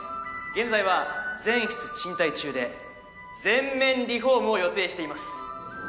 現在は全室賃貸中で全面リフォームを予定しています